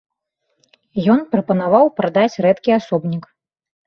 Ён прапанаваў прадаць рэдкі асобнік.